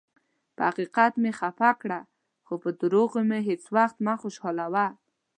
پۀ حقیقت مې خفه کړه، خو پۀ دروغو مې هیڅ ؤخت مه خوشالؤه.